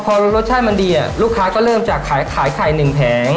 พอรสชาติมันดีลูกค้าก็เริ่มจากขายไข่หนึ่งแผง